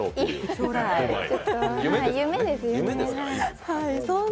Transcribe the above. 夢です、夢。